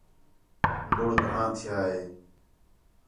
لُڑھ گھݨاں تِھیا ہے